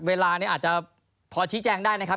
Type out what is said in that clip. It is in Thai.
เวลานี้อาจจะพอชี้แจงได้นะครับ